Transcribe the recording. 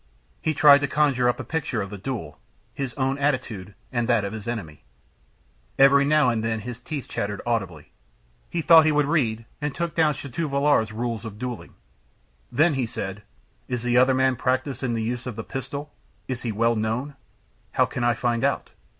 He tried to conjure up a picture of the duel, his own attitude, and that of his enemy. Every now and then his teeth chattered audibly. He thought he would read, and took down Chateauvillard's Rules of Dueling. Then he said: "Is the other man practiced in the use of the pistol? Is he well known? How can I find out?"